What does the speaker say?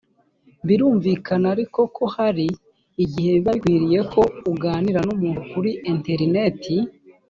birumvikana ariko ko hari igihe biba bikwiriye ko uganira n umuntu kuri interineti